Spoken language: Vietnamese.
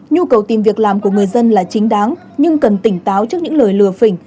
nhu cầu tìm việc làm của người dân là chính đáng nhưng cần tỉnh táo trước những lời lừa phỉnh